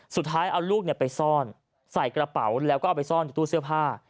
สุดท้ายเอาลูกไปซ่อนใส่กระเป๋าแล้วก็เอาไปซ่อนอยู่ตู้เสื้อผ้า